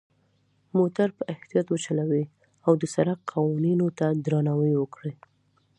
موټر په اختیاط وچلوئ، او د سرک قوانینو ته درناوی وکړئ.